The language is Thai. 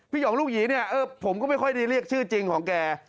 หยองลูกหยีเนี่ยผมก็ไม่ค่อยได้เรียกชื่อจริงของแก